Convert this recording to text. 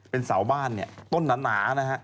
เป็นเสาบ้านต่นน้ำหนา